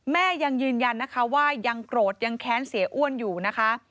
แม่ยังยืนยันนะคะว่ายังโกรธยังแค้นเสียอ้วนอยู่นะคะ